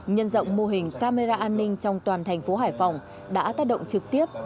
nhân rộng mô hình camera an ninh trong toàn thành phố hải phòng đã tác động trực tiếp